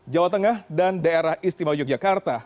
jawa tengah dan daerah istimewa yogyakarta